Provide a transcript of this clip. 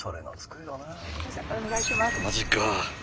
マジか。